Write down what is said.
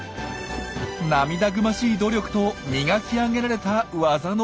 涙ぐましい努力と磨き上げられた技の数々です。